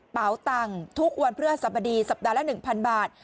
เป๋าตังค์ทุกวันเพื่อสบดีสัปดาห์ละ๑๐๐บาท